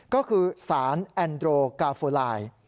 ก็คือสารแอนโดรกาโฟลาย